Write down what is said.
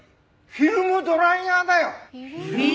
フィルムドライヤー？